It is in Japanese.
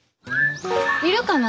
いるかな？